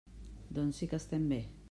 Doncs sí que estem bé!